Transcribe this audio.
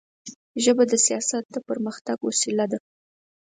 ژبه د سیاست د پرمختګ وسیله ده